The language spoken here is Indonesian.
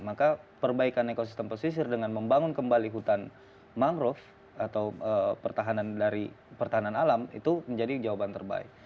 maka perbaikan ekosistem pesisir dengan membangun kembali hutan mangrove atau pertahanan dari pertahanan alam itu menjadi jawaban terbaik